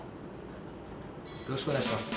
よろしくお願いします。